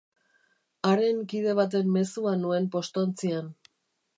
Haren kide baten mezua nuen postontzian.